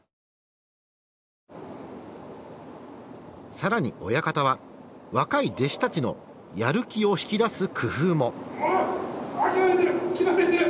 更に親方は若い弟子たちのやる気を引き出す工夫も。